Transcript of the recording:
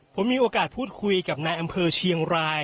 ผมมีโอกาสพูดคุยกับนายอำเภอเชียงราย